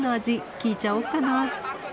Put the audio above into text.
聞いちゃおうかな。